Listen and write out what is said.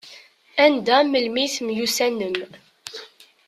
Anda, melmi temyussanem?